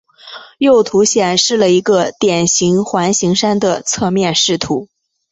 右图显示了一个典型环形山的侧面视图。